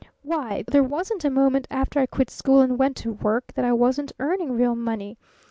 Why, there wasn't a moment after I quit school and went to work that I wasn't earning real money!